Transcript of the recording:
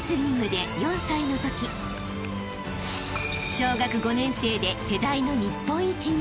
［小学５年生で世代の日本一に］